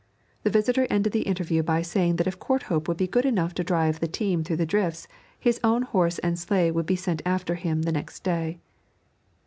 The visitor ended the interview by saying that if Courthope would be good enough to drive the team through the drifts his own horse and sleigh would be sent after him the next day.